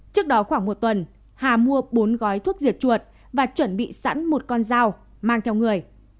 trước đó khoảng một tuần hà mua bốn gói thuốc diệt chuột và chuẩn bị sẵn một con dao mang theo người